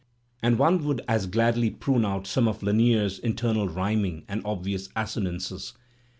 and one would as gladly prune out some of Lanier's internal rhyming and obvious assonances.